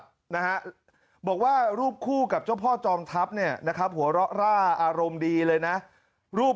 นะฮะบอกว่ารูปคู่กับเจ้าพ่อจอมทัพเนี่ยนะครับหัวเราะร่าอารมณ์ดีเลยนะรูป